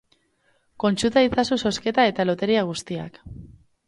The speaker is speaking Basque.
Kontsulta itzazu zozketa eta loteria guztiak.